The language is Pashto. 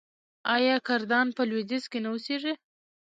آیا کردان په لویدیځ کې نه اوسیږي؟